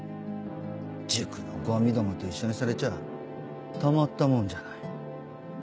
塾のゴミどもと一緒にされちゃたまったもんじゃない。